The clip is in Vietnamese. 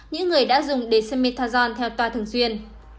những người đã dùng dexamethasone theo toa thường xuyên